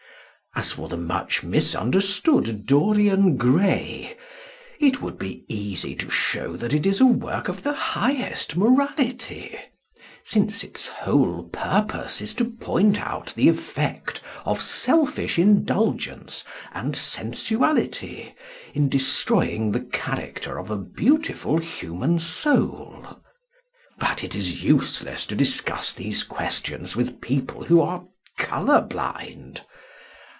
As for the much misunderstood "Dorian Gray," it would be easy to show that it is a work of the highest morality, since its whole purpose is to point out the effect of selfish indulgence and sensuality in destroying the character of a beautiful human soul. But it is useless to discuss these questions with people who are colour blind.